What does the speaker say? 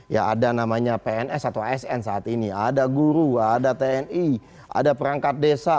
ya ada namanya pns atau asn saat ini ada guru ada tni ada perangkat desa